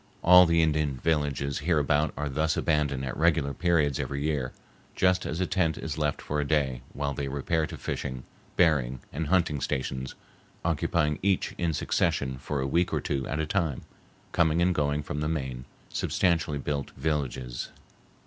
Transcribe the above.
All the Indian villages hereabout are thus abandoned at regular periods every year, just as a tent is left for a day, while they repair to fishing, berrying, and hunting stations, occupying each in succession for a week or two at a time, coming and going from the main, substantially built villages.